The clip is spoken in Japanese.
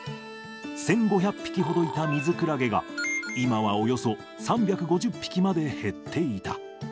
１５００匹ほどいたミズクラゲが、今はおよそ３５０匹まで減っていた。